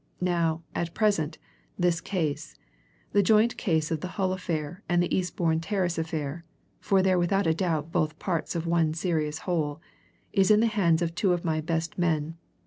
Now, at present, this case the joint case of the Hull affair and the Eastbourne Terrace affair, for they're without doubt both parts of one serious whole is in the hands of two of my best men.